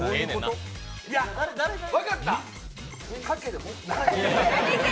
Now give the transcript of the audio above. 分かった。